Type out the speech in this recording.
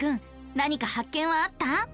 なにか発見はあった？